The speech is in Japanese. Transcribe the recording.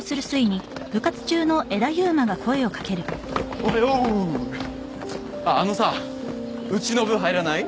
おはようあのさうちの部入らない？